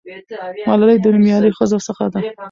ملالۍ د نومیالۍ ښځو څخه ده.